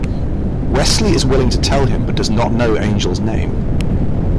Wesley is willing to tell him, but does not know Angel's name.